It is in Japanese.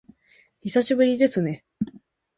久しぶりですね